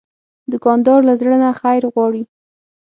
دوکاندار له زړه نه خیر غواړي.